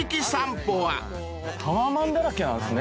・タワマンだらけなんですね